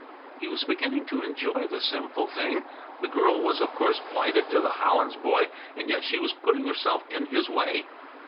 He was beginning to enjoy the sinful thing. The girl was of course plighted to the Hollins boy, and yet she was putting herself in his way.